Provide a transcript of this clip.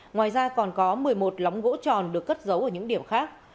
ngoài ra còn có một mươi một lóng gỗ tròn được cất giấu ở những điểm khác